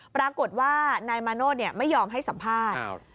ปรากฏว่านายมาโนธไม่ยอมให้สัมภาษณ์